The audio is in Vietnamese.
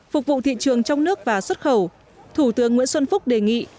phục vụ thị trường trong nước và xuất khẩu thủ tướng nguyễn xuân phúc đề nghị